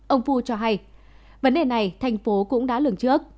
ông fu cho hay vấn đề này thành phố cũng đã lường trước